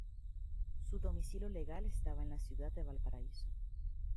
Su domicilio legal estaba en la ciudad de Valparaíso.